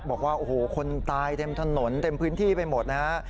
บอกว่าโอ้โหคนตายเต็มถนนเต็มพื้นที่ไปหมดนะฮะ